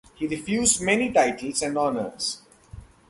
He refused many titles and honours.